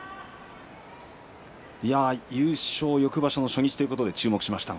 優勝翌場所の初日ということで注目しましたが。